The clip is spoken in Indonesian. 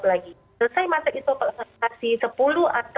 selesai masa isolasi sepuluh atau sepuluh plus tiga hari